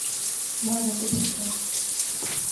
یہاں جنگلی بکریاں